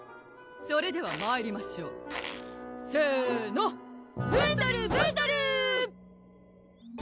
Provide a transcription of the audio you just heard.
それではまいりましょうせーのブンドルブンドルー！